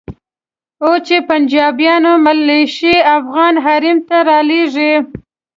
اوس چې پنجابیان ملیشې افغان حریم ته رالېږي.